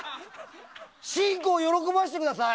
信五を喜ばせてください！